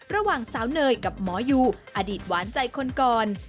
ระหว่างสาวเนยกับหมอยูอดีตหวานใจคนก่อน